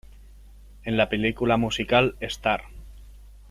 En la película musical "Star!